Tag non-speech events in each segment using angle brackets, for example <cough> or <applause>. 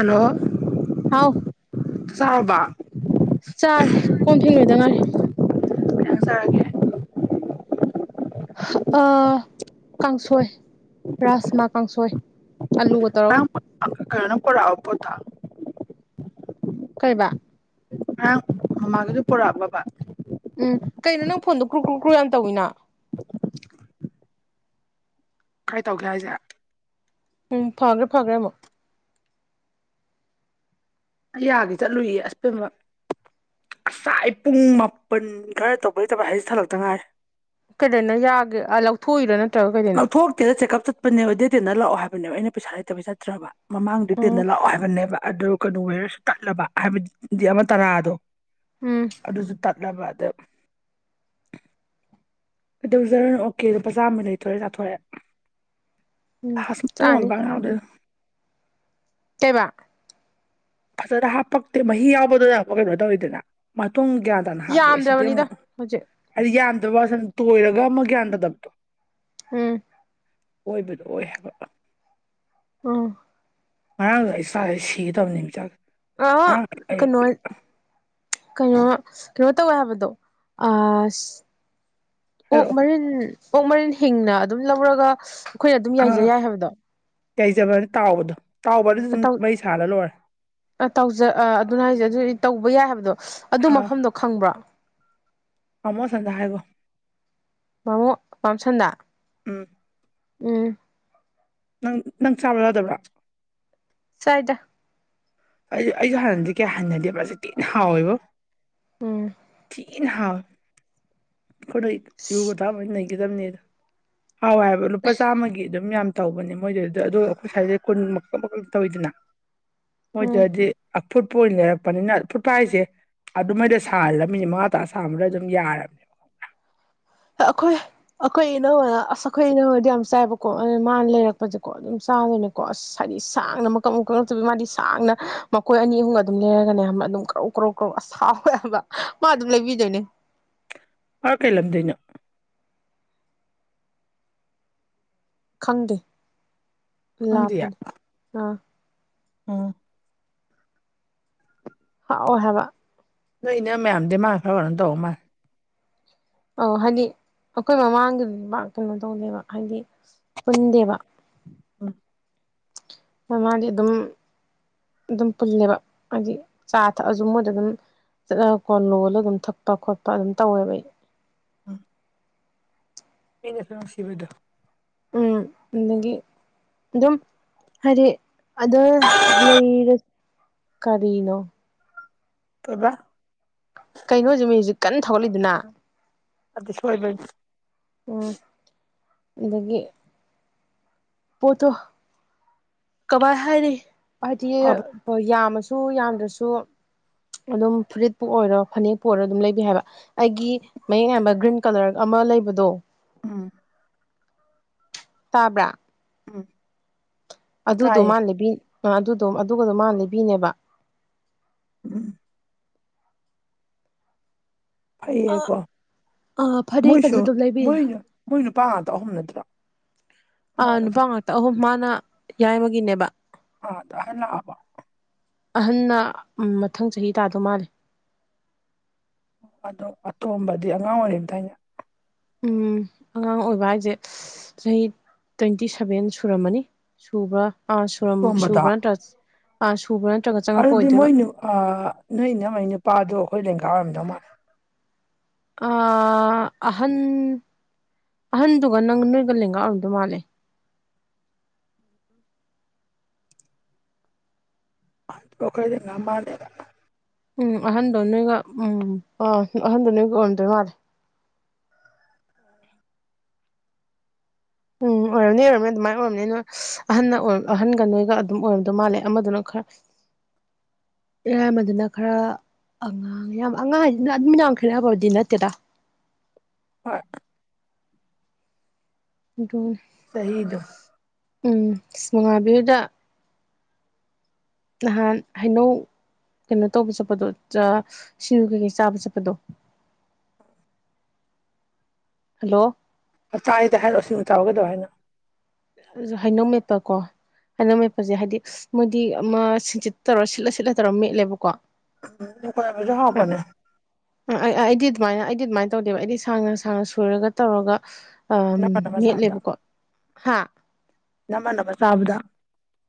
ꯑꯅꯣ ꯍꯥꯎ ꯆꯥꯎꯕ ꯆꯥꯔꯦ ꯀꯣꯟꯐꯦꯡ ꯅꯣꯏꯗ ꯉꯥꯏꯔꯦ ꯪ ꯆꯥꯒꯦ ꯀꯥꯡꯁꯣꯏ ꯔꯥꯁꯃꯥ ꯀꯥꯡꯁꯣꯏ ꯑꯜꯂꯨ ꯀꯠꯇꯔꯣꯒ ꯀꯅ ꯄꯑꯄꯣ ꯊ ꯀꯩꯕ ꯑ ꯑꯃꯒꯁꯨ ꯄꯔꯛ ꯕꯥ ꯎꯝ ꯀꯩꯅꯣ ꯅꯪ ꯐꯣꯟꯗꯣ ꯀ꯭ꯔꯨ ꯀ꯭ꯔꯨ ꯀ꯭ꯔꯨ ꯌꯥꯝ ꯇꯧꯏꯤꯅ ꯀꯥꯏ ꯇꯧꯒꯦ ꯍꯥꯏꯁꯦ ꯎꯝ ꯐꯈ꯭ꯔꯦ ꯐꯥꯈ꯭ꯔꯦꯃ ꯑꯩ ꯌꯥꯒꯤ ꯆꯠꯂꯨꯌꯦ ꯑꯁ ꯄꯃꯛ ꯉꯁꯥꯏ ꯑꯩ ꯄꯨꯡ ꯃꯥꯄꯟ ꯀꯔ ꯇꯧꯕꯩꯇꯕ ꯍꯥꯏꯁꯦ ꯊꯜꯂꯛꯇ ꯉꯥꯏ ꯀꯗꯅ ꯌꯥꯒꯦ ꯑ ꯂꯧꯊꯣꯛꯏꯔꯅ ꯊ ꯊꯣꯛꯣꯛꯇꯦꯔꯦ ꯆꯦꯀꯑꯞ ꯆꯠꯄꯅꯦꯕ ꯗꯦ ꯇꯦꯟꯗ ꯂꯥꯛꯑꯣ ꯍꯥꯏꯕꯅꯦꯕ ꯑꯩꯅ ꯄꯩꯁꯥ ꯂꯩꯇꯕ ꯆꯠꯇ꯭ꯔꯕ ꯃꯃꯥꯡꯗꯦ ꯎꯝ ꯇꯦꯟꯗ ꯂꯥꯛꯑꯣ ꯍꯥꯏꯕꯅꯦꯕ ꯑꯗꯨ ꯀꯩꯅꯣꯋ ꯇꯠꯂꯕ ꯍꯥꯏꯕꯗꯤꯗꯤ ꯑꯃ ꯇꯔꯥꯗꯣ ꯎꯝ ꯑꯗꯨꯁꯨ ꯇꯠꯂꯕ ꯑꯗ ꯀꯩꯗꯧꯖꯔꯅꯨ ꯑꯣꯀꯦ ꯑꯗꯣ ꯄꯆꯥꯥ ꯑꯃ ꯂꯩꯇꯣꯔꯦ ꯇꯥꯊꯣꯔꯛꯑꯦ ꯎꯝ ꯍꯥꯁꯃ ꯇꯣꯟꯕꯗ ꯀꯕ ꯐꯖꯅ ꯍꯥꯞꯄꯛꯇꯦ ꯃꯍꯤ ꯌꯥꯎꯕꯗꯨꯅ ꯀꯩꯅꯣ ꯇꯧꯋꯤꯗꯅ ꯄꯨꯡ ꯒ꯭ꯌꯥꯟ ꯇꯅ ꯍꯥꯞꯄꯤꯔ ꯁꯤꯗꯤ ꯌꯥꯝꯗ꯭ꯔꯕꯅꯤꯗ ꯑꯃꯨꯛ ꯍꯧꯖꯤꯛ ꯍꯥꯏꯗꯤꯟ ꯑ ꯋꯥꯁꯟ ꯇꯣꯏꯔꯒ ꯑꯃ ꯒ꯭ꯌꯥꯟ ꯇꯥꯗꯕꯗꯣ ꯎꯝ ꯑꯣꯏꯕꯗꯣ ꯑꯣꯏ ꯍꯥꯏꯕ ꯎꯝ ꯉꯔꯡ ꯑꯦꯁꯥꯒꯦ ꯁꯤꯒꯦ ꯇꯧꯕꯅꯦ ꯆꯥꯛꯒ ꯑꯣ ꯀꯩꯅꯣꯜ ꯀꯩꯅꯣ ꯀꯩꯅꯣ ꯇꯧꯋꯦ ꯍꯥꯏꯕꯗꯣ ꯑꯁ ꯑꯣꯛ ꯍꯥꯏꯔꯛꯑꯣ ꯃꯔꯤꯟ ꯑꯣꯛ ꯃꯔꯤꯟ ꯍꯤꯡꯅ ꯑꯗꯨꯝ ꯂꯧꯔꯒ ꯑꯩꯈꯣꯏꯅ ꯑꯗꯨꯝ ꯌꯥꯏꯖ ꯌꯥꯏ ꯍꯥꯏꯕꯗꯣ ꯌꯥꯏꯖꯕ ꯅꯠꯇꯦ ꯇꯥꯎꯕꯗꯣ ꯇꯥꯎꯕꯗꯨꯁꯨ ꯑꯗꯨꯝ ꯃꯩ ꯁꯥꯍꯜꯂ ꯂꯣꯏꯔꯦ ꯑ ꯇꯧꯖ ꯑ ꯑꯗꯨꯅ ꯍꯥꯏꯁꯦ ꯑꯗꯨ ꯇꯧꯕ ꯌꯥꯏ ꯍꯥꯏꯕꯗꯣ ꯑꯗꯨ ꯑꯥ ꯃꯐꯝꯗꯣ ꯈꯪꯕ꯭ꯔꯥ ꯇꯥꯃꯣ ꯁꯟꯗ ꯍꯥꯏꯒꯣ ꯃꯃꯣ ꯄꯝꯁꯟꯅꯥ ꯎꯝ ꯎꯝ ꯅꯪ ꯅꯪ ꯆꯥꯕ ꯌꯥꯗꯕ꯭ꯔꯥ ꯆꯥꯏꯗ ꯑꯩ ꯑꯩꯁꯨ ꯍꯥꯟꯅꯗꯤ ꯀꯌꯥ ꯍꯟꯅꯗꯦꯕ꯭ꯔꯥꯖꯤ ꯊꯤꯅ ꯍꯥꯎꯋꯦꯕꯣ ꯎꯝ ꯊꯤꯅꯥ ꯍꯧꯏ ꯌꯨ ꯒꯥ ꯊꯛ ꯂꯝꯂꯗꯤ ꯅꯩꯒꯗꯕꯅꯤꯗꯣ ꯍꯥꯎꯋꯥꯏ ꯍꯥꯏꯕ ꯂꯨꯄꯥ ꯆꯥꯝꯃꯒꯤ ꯑꯗꯨꯝ ꯌꯥꯝ ꯇꯧꯕꯅꯦ ꯃꯣꯏꯗꯗꯤ ꯑ ꯑꯩꯈꯣꯏ ꯁ꯭ꯋꯥꯏꯁꯦ ꯀꯨꯟꯃꯛ ꯃꯈꯛ ꯇꯧꯋꯤꯗꯅ ꯎꯝ ꯃꯣꯏꯗꯗꯤ ꯐꯨꯠꯄ ꯑꯣꯏꯅ ꯂꯩꯔꯛꯄꯅꯤꯅ ꯐꯨꯠꯄ ꯍꯥꯏꯁꯦ ꯑꯗꯨꯃꯥꯏꯗ ꯁꯥꯔ ꯃꯤꯅꯤ ꯃꯉꯥ ꯇꯥ ꯁꯥꯕꯗ ꯑꯗꯨꯝ ꯌꯥꯔꯕꯅꯦꯕ ꯑꯩꯈꯣꯏ ꯑꯩꯈꯣꯏ ꯏꯅꯧ ꯑꯁ ꯑꯩꯈꯣꯏ ꯏꯅꯅꯗꯤ ꯌꯥꯝ ꯆꯥꯏꯕꯀꯣ ꯃꯥꯅ ꯂꯩꯔꯛꯄꯁꯦꯀꯣ ꯑꯗꯨꯝ ꯆꯥꯏ ꯇꯥꯗꯣꯏꯅꯦꯀꯣ ꯑꯁ ꯍꯥꯏꯗꯤ ꯁꯥꯡꯅ ꯃꯀꯛ ꯃꯀꯪꯛꯇꯕꯤꯒꯤ ꯃꯥꯗꯤ ꯁꯥꯡꯅ ꯃꯈꯣꯏ ꯑꯅꯤ ꯑꯍꯨꯝꯒ ꯑꯗꯨꯝ ꯂꯩꯔꯒꯅꯦ ꯑꯗꯨꯝ ꯀ꯭ꯔꯧ ꯀ꯭ꯔꯧ ꯀ꯭ꯔꯧ ꯑꯁꯥꯎꯋꯦ ꯍꯥꯏꯕ ꯃꯥ ꯑꯗꯨꯝ ꯂꯩꯕꯤꯗꯣꯏꯅꯦ <unintelligible> ꯀꯥ ꯀꯩꯂꯝꯗꯅꯣ ꯈꯪꯗꯦ ꯂꯥꯄꯅꯤ ꯑꯥ ꯑꯝ ꯍꯥꯎꯏ ꯍꯥꯌꯕꯥ ꯅꯣꯏ ꯏꯅꯦ ꯃꯌꯥꯝꯗꯤ ꯃꯥ ꯈꯔ ꯀ ꯇꯧ ꯃꯥꯜ ꯑ ꯍꯥꯏꯗꯤ ꯑꯩꯈꯣꯏ ꯃꯃꯥꯡꯒꯤꯗꯤ ꯃꯥ ꯀꯩꯅꯣ ꯇꯧꯗꯦꯕ ꯍꯥꯏꯗꯤ ꯄꯨꯟꯗꯦꯕ ꯎꯝ ꯃꯥꯃꯗꯤ ꯑꯗꯨꯝ ꯑꯗꯨꯝ ꯄꯨꯜꯂꯦꯕ ꯍꯥꯏꯗꯤ ꯆꯥ ꯊꯛꯑꯁꯨ ꯃꯣꯏꯗ ꯑꯗꯨꯝ ꯆꯠꯅ ꯀꯣꯟ ꯂꯣꯜꯂ ꯑꯗꯨꯝ ꯊꯛꯄ ꯈꯣꯠꯄ ꯑꯗꯨꯝ ꯇꯧꯋꯦꯕ ꯑꯩ ꯎꯝ ꯑꯩꯅꯦ ꯁꯨ ꯅꯨꯪꯁꯤꯕꯗꯣ ꯎꯝ ꯑꯗꯒꯤ ꯑꯗꯨꯝ ꯍꯥꯏꯗꯤ ꯑꯗꯣ ꯂꯩꯔ ꯀꯔꯤꯅꯣ ꯀꯩꯕ ꯀꯩꯅꯣꯁꯦ ꯃꯤ ꯍꯧꯖꯤꯛ ꯀꯟꯅ ꯊꯧꯒꯠꯂꯤꯗꯨꯅ ꯑꯗꯨ ꯁꯣꯏꯕꯅꯤ ꯎꯝ ꯑꯗꯒꯤ ꯄꯣꯠꯇꯣ ꯀꯃꯏ ꯍꯥꯏꯔꯤ ꯍꯥꯏꯗꯤ ꯐꯕ ꯌꯥꯝꯃꯁꯨ ꯌꯥꯝꯗ꯭ꯔꯁꯨ ꯑꯗꯨꯝ ꯐꯨꯔꯤꯠꯄꯨ ꯑꯣꯏꯔꯣ ꯐꯅꯦꯛꯄꯨ ꯑꯣꯏꯔꯣ ꯑꯗꯨꯝ ꯂꯩꯕꯤ ꯍꯥꯏꯕ ꯑꯩꯒꯤ ꯃꯌꯦꯛ ꯏꯌꯥꯝꯕ ꯒ꯭ꯔꯤꯟ ꯀꯂꯔꯒ ꯑꯃ ꯃꯥ ꯂꯩꯕꯗꯣ ꯎꯝ ꯇꯥꯕ꯭ꯔꯥ ꯎꯝ ꯑꯗꯨꯗꯣ ꯇꯥꯏꯌꯦ ꯃꯥꯕꯤ ꯑ ꯑꯗꯨꯗꯣ ꯑꯗꯨꯒꯗꯣ ꯃꯥ ꯂꯩꯕꯤꯅꯦꯕ ꯎꯝ ꯐꯩꯌꯦꯀꯣ ꯑꯥ ꯃꯣꯏꯁꯨ ꯐꯅꯦꯛꯀꯁꯨ ꯑꯗꯨꯝ ꯂꯩꯕꯤꯌꯦ ꯃꯣꯏꯅ ꯃꯣꯏꯅ ꯅꯨꯅꯤꯄꯥ ꯉꯇ ꯑꯍꯨꯝ ꯅꯠꯇ꯭ꯔꯣ ꯑ ꯃꯧꯁꯦ ꯅꯨꯄꯥ ꯉꯥꯛꯇ ꯑꯍꯨꯝ ꯃꯥꯅ ꯌꯥꯏꯕꯒꯤꯅꯦꯕ ꯑ ꯑꯗꯨ ꯍ ꯂꯕ ꯑꯍꯟꯅ ꯃꯊꯪ ꯆꯍꯤ ꯇꯥꯗꯧ ꯃꯥꯂꯦ ꯑꯣ ꯑꯇꯣꯝꯕꯗꯤ ꯑꯉꯥꯡ ꯑꯣꯏꯔꯤꯝꯇ ꯑꯅꯦ ꯎꯝ ꯑꯉꯥꯡ ꯑꯣꯏꯕ ꯍꯥꯏꯁꯦ ꯆꯍꯤ ꯇ꯭ꯋꯦꯟꯇꯤ ꯁꯚꯦꯟ ꯁꯨꯔꯝꯃꯅꯤ ꯁꯨꯕ꯭ꯔ ꯑ ꯁꯨꯔꯝ ꯇꯣꯝꯕꯗ ꯁꯨꯕ꯭ꯔ ꯑ ꯁꯨꯕ꯭ꯔ ꯑꯗꯨꯗꯤ ꯃꯣꯏ ꯅꯣꯏ ꯅ ꯃꯣꯏ ꯅꯨꯄꯥꯗꯣ ꯑꯩꯈꯣꯏ ꯂꯦꯡꯀꯥꯏ ꯑꯣꯏꯔꯝꯗꯧ ꯃꯥꯂ ꯑꯍꯟ ꯑꯍꯟꯗꯨꯒ ꯅꯪ ꯅꯣꯏꯒ ꯂꯦꯡꯒꯥꯔꯝꯗ ꯃꯥꯜꯂꯦ ꯈꯩꯗ ꯉ ꯃꯥꯗꯕ ꯎꯝ ꯑꯍꯟꯗꯣ ꯅꯣꯏꯒ ꯎꯝ ꯑ ꯑꯍꯟꯗꯣ ꯅꯣꯏꯒ ꯑꯣꯏꯔꯗꯣꯏ ꯃꯥꯜꯂꯦ ꯎꯝ ꯑꯣꯏꯔꯝꯅꯤ ꯑꯣꯏꯔꯝꯅꯤ ꯑꯗꯨꯃꯥꯏꯅ ꯑꯣꯏꯔꯝꯅꯤ ꯅꯣꯏ ꯑꯍ ꯑꯣꯏ ꯑꯍꯟꯒ ꯅꯣꯏꯒ ꯑꯗꯨꯝ ꯑꯣꯏꯔꯝꯗꯧ ꯃꯥꯜꯂꯦ ꯑꯃꯗꯨꯅ ꯈꯔ <inaudible> ꯏꯔꯥꯏꯕꯗꯨꯅ ꯈꯔ ꯑꯉꯥꯡ ꯌꯥꯝ ꯑꯉꯥꯡ ꯍꯥꯏꯗꯤ ꯅꯨꯃꯤꯗꯥꯡ ꯈꯦꯠ ꯐꯕꯨꯗꯤ ꯅꯠꯇꯦꯔ ꯍꯣꯏ ꯑꯗꯨꯣ ꯁꯍꯤꯗ ꯎꯝ ꯁꯃꯉꯥꯕꯤꯍꯨꯗ ꯅꯍꯥꯟ ꯍꯥꯏꯩꯅꯣ ꯀꯩꯅꯣ ꯇꯧꯕ ꯆꯠꯄꯗꯣ ꯔ ꯀꯩꯀꯩ ꯆꯥꯕ ꯆꯠꯄꯗꯣ ꯎ ꯍꯜꯂꯣ ꯆꯥꯏꯗ ꯍꯥꯏꯔꯛꯑꯣ ꯁꯤꯃ ꯆꯥꯎꯒꯗꯕ ꯍꯥꯏꯅ ꯍꯩꯅꯧꯃꯦꯠꯇ ꯀꯣ ꯍꯥꯏꯅ ꯃꯦꯠꯄꯁꯦ ꯍꯥꯏꯗꯤ ꯃꯣꯏꯗꯤ ꯑꯃ ꯁꯤꯆꯠ ꯇꯧꯔ ꯁꯤꯠꯂ ꯁꯤꯠꯂ ꯇꯧꯔ ꯃꯦꯠꯂꯦꯕꯀꯣ ꯎꯝ ꯀꯣꯏꯕꯖ ꯍꯕꯅꯦ ꯁꯨꯃꯥꯏꯅ ꯑꯩꯗꯤ ꯑꯗꯨꯃꯥꯏꯅ ꯇꯧꯗꯦꯕ ꯑꯩꯗꯤ ꯁꯥꯡꯅ ꯁꯥꯡꯅ ꯁꯣꯏꯨꯔꯒ ꯇꯧꯔꯒ ꯎ ꯅꯝꯃ ꯅꯝꯃ ꯃꯦꯠꯂꯦꯕꯀꯣ ꯍꯥ ꯅꯃ ꯅꯃ ꯁꯥꯥꯕꯗ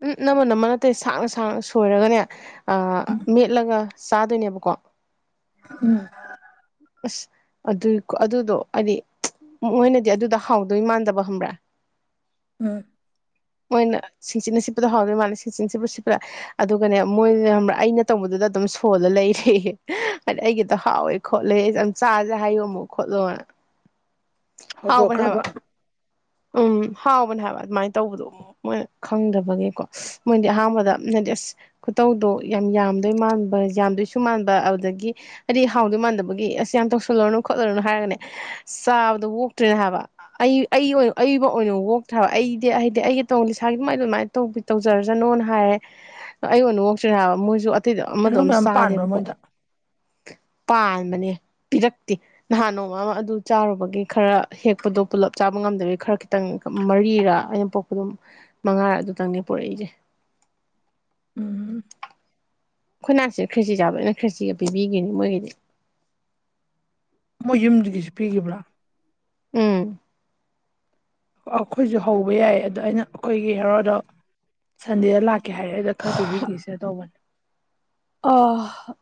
ꯎꯝ ꯅꯃ ꯅꯃ ꯅꯠꯇꯦ ꯁꯥꯡꯅ ꯁꯥꯡꯅ ꯁꯣꯏꯔꯒꯅꯦ ꯃꯦꯠꯂꯒ ꯆꯥꯗꯣꯏꯅꯦꯕꯀꯣ ꯎꯝ ꯑꯁ ꯑꯗꯨꯏꯣ ꯑꯗꯨꯗꯣ ꯍꯥꯏꯗꯤ ꯃꯣꯏꯅꯗꯤ ꯑꯗꯨꯗ ꯍꯥꯎꯗꯣꯏ ꯃꯥꯟꯗꯕ ꯈꯝꯕ꯭ꯔꯥ ꯎꯝ ꯃꯣꯏꯅ ꯁꯤꯡꯆꯤꯟꯅ ꯁꯤꯠꯄꯗ ꯍꯥꯎꯗꯣꯏ ꯃꯥꯜꯂꯦ ꯁꯤꯡꯆꯤ ꯁꯤꯄ ꯁꯤꯄ ꯑꯗꯨꯒꯅꯦ ꯃꯣꯏꯅ ꯑꯩꯅ ꯇꯧꯕꯗ ꯑꯗꯨꯗ ꯑꯗꯨꯝ ꯁꯣꯜꯂ ꯂꯩꯔꯦ ꯍꯥꯏ ꯑꯩꯒꯤꯗ ꯍꯥꯎꯋꯦ ꯈꯣꯠꯂꯦ ꯑꯩꯁꯦ ꯌꯥꯝ ꯆꯥꯥꯁꯦ ꯍꯥꯏꯌꯣ ꯑꯃꯨꯛ ꯈꯣꯠꯂꯣꯑꯣꯅ ꯍꯗ ꯑꯈ꯭ꯔꯕ ꯎꯝ ꯍꯥꯎꯕꯅꯦ ꯍꯥꯏꯕ ꯑꯗꯨꯃꯥꯏꯅ ꯇꯧꯕꯗꯣ ꯃꯣꯏꯅ ꯈꯪꯗꯕꯒꯤꯀꯣ ꯃꯣꯏꯗꯤ ꯑꯍꯥꯟꯕꯗ ꯗꯤ ꯑꯁ ꯈꯨꯇꯧꯗꯣ ꯌꯥꯝ ꯌꯥꯝꯗꯣꯏ ꯃꯥꯟꯕ ꯌꯥꯝꯗꯣꯏꯁꯨ ꯃꯥꯟꯕ ꯑꯗꯨꯗꯒꯤ ꯍꯥꯏꯗꯤ ꯍꯥꯎꯗꯣꯏ ꯃꯥꯟꯕ ꯇꯧꯜꯂꯅ ꯈꯣꯠꯂꯅ ꯍꯥꯏꯔ ꯆꯥꯕꯗꯣ ꯑꯣꯇ꯭ꯔꯦꯅ ꯍꯥꯏꯕ ꯑꯩ ꯑꯩ ꯑꯏꯕ ꯑꯣꯏꯅ ꯑꯣꯣꯛꯇ꯭ꯔꯕ ꯑꯩꯗꯤ ꯑꯩꯗꯤ ꯑꯩꯒꯤ ꯇꯧ ꯏꯁꯥꯒꯤ ꯀꯃꯥꯏ ꯑꯗꯨꯃꯥꯏꯅ ꯇꯧꯖꯔꯖꯅꯣꯅ ꯍꯥꯏꯔꯦ ꯑꯩꯣꯟꯉꯣꯛꯁꯤ ꯍꯥꯏꯕ ꯃꯣꯏꯁꯨ ꯑꯇꯩꯗꯣ ꯑꯃꯗꯣ ꯑꯅꯧ ꯑꯃ ꯃꯌꯥꯝ ꯄꯥꯟꯕ꯭ꯔꯥ ꯆꯥꯗꯦꯕꯀꯣ ꯃꯣꯏꯗ ꯄꯥꯟꯕꯅꯦ ꯄꯤꯔꯛꯇꯦ ꯅꯍꯥꯟ ꯅꯣꯡꯃ ꯑꯃ ꯑꯗꯨ ꯆꯥꯔꯨꯕꯒꯤ ꯈꯔ ꯍꯦꯛꯄꯗꯣ ꯄꯨꯜꯂꯞ ꯆꯥꯕ ꯉꯝꯗꯕꯤꯒꯤ ꯈꯔ ꯈꯤꯇꯪ ꯃꯔꯤꯔ ꯑꯩꯅ ꯄꯣꯛꯄꯗꯨꯝ ꯃꯉꯥꯔ ꯑꯗꯨꯇꯪꯅꯦ ꯄꯨꯔꯛꯏꯁꯦ ꯎꯝ ꯈꯨꯣꯏꯅꯥꯁꯤꯅ ꯈ꯭ꯔꯤꯁꯤ ꯆꯥꯕꯅ ꯈ꯭ꯔꯤꯁꯤꯒ ꯄꯤꯕꯤꯈꯤꯅꯤ ꯃꯣꯏꯒꯤꯗꯤ ꯃꯣꯏ ꯌꯨꯝꯗꯨꯗꯒꯤꯁꯨ ꯄꯤꯈꯤꯕ꯭ꯔꯥ ꯎꯝ ꯑꯩꯈꯣꯏꯁꯨ ꯍꯧꯕ ꯌꯥꯏ ꯑꯗꯣ ꯑꯩꯅ ꯑꯩꯈꯣꯏꯒꯤ ꯍꯦꯔꯣꯗꯣ ꯁꯟꯗꯦꯗ ꯂꯥꯛꯀ ꯀꯩ ꯍꯥꯏꯔꯦꯗ ꯈꯔ ꯄꯤꯕꯤꯈꯤꯁꯦ ꯇꯧꯕꯅꯦ ꯑ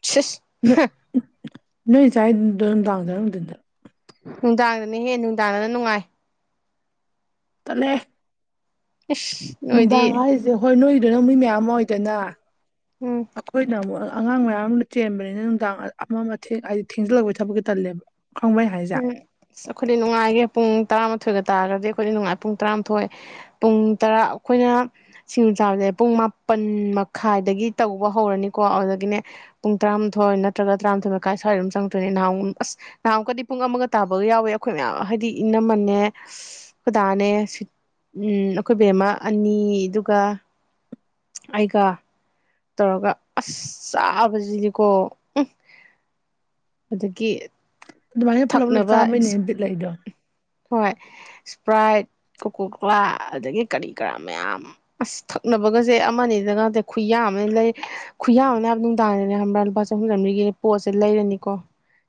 ꯁꯤ ꯅꯣꯏ ꯆꯥꯏ ꯑꯗꯨ ꯂꯥꯡꯗꯅꯗ ꯅꯨꯡꯗꯥꯡꯗꯅꯍꯦ ꯅꯨꯡꯗꯥꯡꯗꯅ ꯅꯨꯡꯉꯥꯏ ꯇꯂꯦ ꯑꯣꯏꯣꯏꯗꯤ ꯍꯣꯏ ꯅꯣꯏꯒꯤꯗ ꯅꯪ ꯃꯤꯣꯏ ꯃꯌꯥꯝ ꯑꯃ ꯑꯣꯏꯗꯅ ꯎꯝ ꯑꯩꯈꯣꯏꯅ ꯑꯃꯨꯛ ꯑꯉꯥꯡ ꯃꯌꯥꯝ ꯑꯃꯅ ꯆꯦꯟꯕꯅꯤꯅ ꯅꯨꯡꯗꯥꯡ ꯑꯃ ꯑꯃ ꯍꯥꯏꯗꯤ ꯊꯦꯡꯖꯤꯜꯂꯛꯄꯒꯤ ꯊꯕꯛꯀꯤ ꯇꯜꯂꯦꯕ ꯈꯪꯕꯩ ꯍꯥꯏꯁꯦ ꯎꯝ ꯑ ꯑꯩꯈꯗꯤ ꯅꯨꯡꯉꯥꯏꯒꯦ ꯄꯨꯡ ꯇꯔꯥꯃꯥꯊꯣꯏꯒ ꯇꯥꯔꯒꯗꯤ ꯑꯩꯈꯣꯏꯅ ꯅꯨꯡꯉꯥꯏ ꯄꯨꯡ ꯇꯔꯥꯃꯥꯊꯣꯏ ꯄꯨꯡ ꯇꯔꯥ ꯑꯩꯈꯣꯏꯅ ꯁꯤꯡ ꯆꯥꯕꯁꯦ ꯄꯨꯡ ꯃꯥꯄꯟ ꯃꯈꯥꯏꯗꯒꯤ ꯇꯧꯕ ꯍꯧꯔꯅꯤꯀꯣ ꯑꯗꯨꯗꯒꯤꯅꯦ ꯄꯨꯡ ꯇꯔꯥꯊꯣꯏ ꯅꯠꯇ꯭ꯔꯒ ꯇꯔꯥꯃꯥꯊꯣꯏ ꯃꯈꯥꯏ ꯁ꯭ꯋꯥꯏ ꯑꯗꯨꯝ ꯆꯪ ꯅꯅꯥꯎ ꯅꯅꯥꯎ ꯀꯗꯤ ꯄꯨꯡ ꯑꯃꯒ ꯇꯥꯕꯒ ꯌꯥꯎꯋꯦ ꯑꯩꯈꯣꯏ ꯃꯌꯥꯝ ꯍꯥꯏꯗꯤ ꯏꯅꯝꯃꯟꯅꯦ ꯈꯨꯗꯥꯅꯦ ꯎꯝ ꯑꯩꯈꯣꯏ ꯕꯦꯝꯃ ꯑꯅꯤ ꯑꯗꯨꯒ ꯑꯩꯒ ꯇꯧꯔꯒ ꯑꯁ ꯆꯥꯕꯁꯤꯅꯤꯀꯣ ꯎ ꯑꯗꯒꯤ ꯑꯗꯨꯃꯥꯏꯅ ꯄꯨꯂꯞ ꯄꯨꯂꯞ ꯊꯛꯅꯕ ꯆꯥꯕꯩꯅꯦ ꯄꯠ ꯂꯩꯏꯗꯣ ꯍꯣꯏ ꯏꯁꯄ꯭ꯔꯥꯏꯠ ꯀꯣꯀꯣꯀꯂꯥ ꯑꯗꯒꯤ ꯀꯔꯤ ꯀꯔꯥ ꯃꯌꯥꯝ ꯑꯁ ꯊꯛꯅ ꯐꯒꯁꯦ ꯑꯃꯗ ꯉꯇꯦ ꯈꯨꯌꯥ ꯑꯃ ꯂꯩ ꯈꯨꯌꯥ ꯑꯃꯅꯦ ꯍꯥꯏꯕ ꯅꯨꯡꯗꯥꯡꯅꯦ ꯍꯥꯏꯕ꯭ꯔꯥ ꯂꯨꯄꯥ ꯆꯍꯨꯝ ꯆꯝꯔꯤꯒꯤ ꯄꯣꯠꯁꯦ ꯂꯩꯔꯅꯤꯀꯣ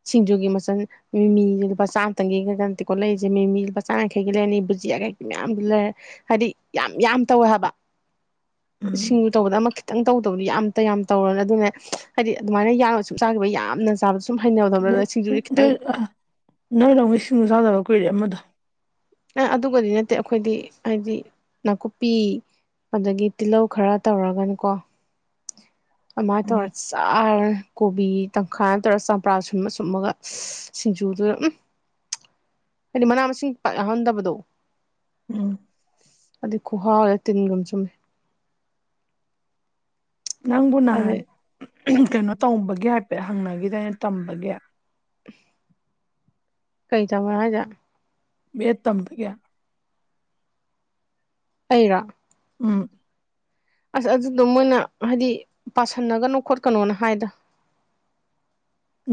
ꯁꯤꯡꯖꯨꯒꯤ ꯃꯆꯜ ꯃꯤ ꯃꯤꯁꯦ ꯂꯨꯄꯥ ꯆꯥꯝꯇꯪꯒꯤ ꯀꯩꯀꯣ ꯂꯩꯔꯤꯁꯦ ꯃꯤ ꯃꯤ ꯂꯨꯄꯥ ꯆꯥꯃꯡꯈꯩ ꯂꯩꯔꯅꯤ ꯕꯨꯖꯤꯌꯥ ꯀꯩꯒꯤ ꯃꯌꯥꯝꯒꯤ ꯂꯩꯔꯦ ꯍꯥꯏꯗꯤ ꯌꯥꯝ ꯌꯥꯝ ꯇꯧꯋꯦ ꯍꯥꯏꯕ <inaudible> ꯁꯤꯡꯎ ꯇꯧꯕꯗ ꯑꯃ ꯈꯤꯇꯪ ꯇꯧꯗꯕꯗꯤ ꯌꯥꯝꯇ ꯌꯥꯝ ꯇꯧꯔꯅꯤ ꯑꯗꯨꯅ ꯍꯥꯏꯗꯤ ꯑꯗꯨꯃꯥꯏꯅ ꯌꯥꯝꯅ ꯁꯨꯡ ꯆꯥꯈꯤꯕ ꯌꯥꯝꯅ ꯆꯥꯕꯁꯨ ꯁꯨꯝ ꯅꯣꯏ ꯍꯩꯅꯕꯗꯧꯅ ꯁꯤꯡꯖꯨꯁ ꯈꯤꯇꯪ ꯅꯣꯏ ꯂꯧꯃꯤ ꯁꯤꯡꯁꯨ ꯆꯥꯗꯕ ꯀꯨꯏꯔꯦ ꯑꯃꯗ ꯑ ꯑꯗꯨꯒꯗꯤ ꯅꯠꯇꯦ ꯑꯩꯈꯣꯏꯗꯤ ꯍꯥꯏꯗꯤ ꯅꯥꯀꯨꯞꯄꯤ ꯑꯗꯒꯤ ꯇꯤꯜꯍꯧ ꯈꯔ ꯇꯧꯔꯒꯅꯀꯣ ꯑꯗꯨꯃꯥꯏꯅ ꯎꯝ ꯇꯧꯔ ꯆꯥꯔ ꯀꯣꯕꯤ ꯇꯪꯈꯥꯏꯅ ꯇꯧꯔꯒ ꯆꯝꯄ꯭ꯔꯥ ꯁꯨꯝꯕ ꯁꯨꯝꯃꯒ ꯁꯤꯁꯤꯡꯖꯨꯗ <inaudible> ꯍꯥꯏꯗꯤ ꯃꯅꯥ ꯃꯁꯤꯡ ꯄꯥꯛ ꯌꯥꯎꯍꯟꯗꯕꯗꯣ ꯎꯝ ꯑꯗꯨ ꯈꯨꯍꯥꯎꯔꯦ ꯇꯤꯟꯒꯨꯝ ꯆꯨꯝꯃꯦ ꯅꯪꯕꯨ ꯅꯍꯥꯟ ꯑꯗꯩ ꯀꯩꯅꯣ ꯇꯧꯕꯒꯤ ꯍꯥꯏꯐꯦꯠ ꯍꯪꯅꯈꯤꯗꯩꯅ ꯇꯝꯕꯒꯤ ꯀꯩꯗꯕꯔꯖ ꯇꯝꯗꯒꯦꯅ ꯑꯩꯔꯥ ꯎꯝ ꯑꯁ ꯑꯗꯨꯗꯣ ꯃꯣꯏꯅ ꯍꯥꯏꯗꯤ ꯄꯥꯁꯟꯅꯒꯅꯣ ꯈꯣꯠꯀꯅꯣꯅ ꯍꯥꯏꯗ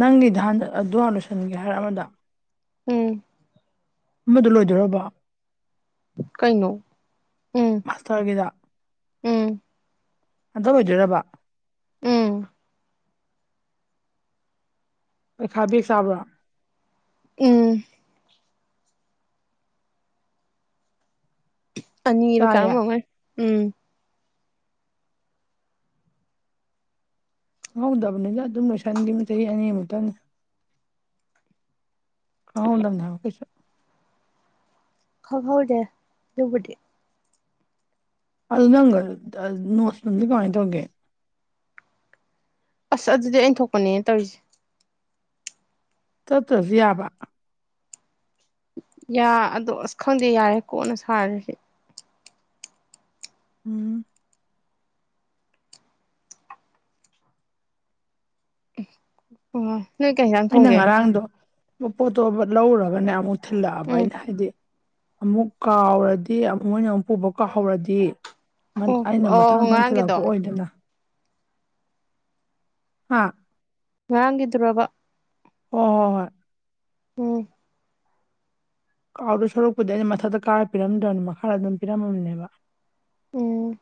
ꯅꯪꯗꯤ ꯅꯍꯥꯟ ꯑꯗꯨ ꯂꯣꯏꯁꯤꯟꯒꯦ ꯍꯥꯏꯔ ꯑꯃꯗ ꯎꯝ ꯑꯃꯗ ꯂꯣꯏꯗꯣꯏꯔꯕ ꯀꯩꯅ ꯎꯝ ꯎꯝ ꯑꯇ ꯑꯣꯏꯖꯣꯏꯗꯔꯕ ꯎꯝ ꯄꯩꯈꯥ ꯕꯦꯛ ꯆꯥꯕ꯭ꯔꯥ ꯎꯝ ꯑꯅꯤꯕ ꯀꯥꯝ ꯆꯥꯏꯌꯦ ꯑꯃꯃꯦ ꯎꯝ ꯈꯪꯍꯧꯗꯕꯅꯤꯅ ꯑꯗꯨꯝ ꯂꯣꯏꯁꯟꯂꯤ ꯆꯍꯤ ꯑꯅꯤꯃꯨꯛꯇꯪꯅꯤ ꯑꯥꯎꯗꯅꯤ ꯑꯣ ꯀꯩꯁꯨ ꯍ ꯍꯥꯎꯗ ꯌꯕꯨꯗꯤ ꯑ ꯉꯪꯒ ꯅꯣꯡꯁ ꯀꯉ ꯇꯣꯒꯦ ꯑꯁ ꯑꯗꯨꯗꯤ ꯑꯩꯅ ꯊꯣꯛꯄꯅꯦ ꯇꯧꯔꯤꯁꯦ ꯇꯠ ꯌꯥ ꯌꯥꯕ ꯌꯥ ꯑꯗꯣ ꯑꯁ ꯈꯪꯗꯦ ꯌꯥꯔꯦ ꯀꯣꯟꯅ ꯁꯥꯔꯤꯁꯦ ꯎꯝ ꯑꯣ ꯅꯣꯏ ꯀꯩꯗꯪ ꯑꯩꯅ ꯊꯣꯡꯒꯦ ꯉꯔꯥꯡꯗꯣ ꯄꯣꯠꯇꯣ ꯂꯧꯔꯒꯅꯦ ꯑꯃꯨꯛ ꯊꯤꯜꯂꯛꯑꯕ ꯎꯝ ꯑꯩꯅ ꯍꯥꯏꯗꯤ ꯑꯃꯨꯛ ꯀꯥꯎꯔꯗꯤ ꯑꯃꯨꯛ ꯃꯣꯏꯅ ꯑꯃꯨꯛ ꯄꯨꯕ ꯀꯥꯎꯍꯧꯔꯗꯤ ꯑꯣ ꯑꯩꯅ ꯃꯊꯪ ꯑꯣ ꯃꯊꯪ ꯉꯔꯥꯡꯒꯤꯗꯣ ꯊꯤꯜꯂꯛꯄ ꯑꯣꯏꯗꯅ ꯍꯥꯥ ꯉꯒꯗꯣꯕ ꯍ ꯍꯣꯏ ꯍꯣꯏ ꯎꯝ ꯀꯥꯎꯗꯣ ꯁꯣꯔꯛꯄꯗꯤ ꯑꯩꯅ ꯃꯊꯛꯇ ꯀꯥꯔ ꯄꯤꯔꯝꯗ꯭ꯔꯕꯅꯤ ꯃꯈꯥꯗ ꯑꯗꯨꯝ ꯄꯤꯔꯝꯃꯕꯅꯦꯕ ꯎꯝ